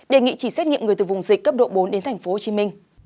đề nghị chỉ xét nghiệm người từ vùng dịch cấp độ bốn đến tp hcm